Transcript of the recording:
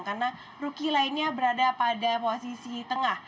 karena rookie lainnya berada pada posisi tengah